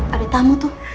ada tamu tuh